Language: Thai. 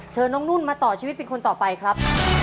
เชิญน้องนุ่นมาต่อชีวิตเป็นคนต่อไปครับ